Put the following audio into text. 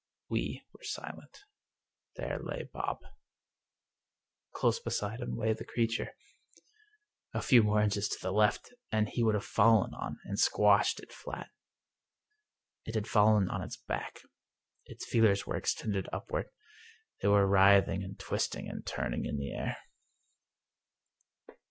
We were silent. There lay Bob. Close beside him lay the creature. A few more inches to the left, and he would have fallen on and squashed it flat. It had fallen on its back. Its feelers were extended upward. They were writhing and twisting and turning in the air.